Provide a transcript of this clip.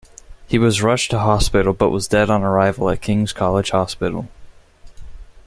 He was rushed to hospital but was dead on arrival at King's College Hospital.